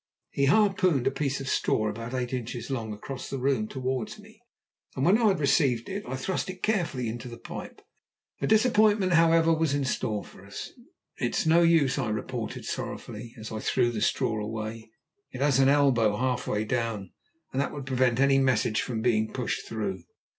He harpooned a piece of straw, about eight inches long, across the room towards me, and, when I had received it, I thrust it carefully into the pipe. A disappointment, however, was in store for us. "It's no use," I reported sorrowfully, as I threw the straw away. "It has an elbow half way down, and that would prevent any message from being pushed through."